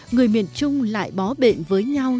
người miền trung lại bó bệnh với nhau